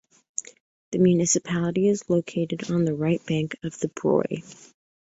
The municipality is located on the right bank of the Broye.